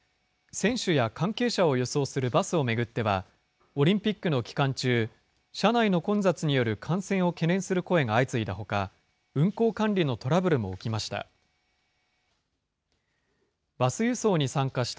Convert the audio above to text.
選手や関係者を輸送するバスを巡っては、オリンピックの期間中、車内の混雑による感染を懸念する声が相次いだほか、運行管理のトラブルも起きました。